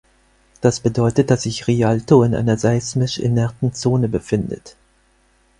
Das bedeutet, dass sich Rialto in einer seismisch inerten Zone befindet.